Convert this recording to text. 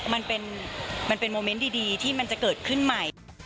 มันเป็นโมเมนต์ดีที่มันจะเกิดขึ้นใหม่